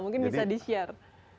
mungkin bisa di share